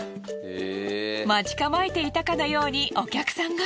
待ち構えていたかのようにお客さんが。